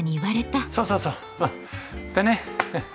そうそうそうでね。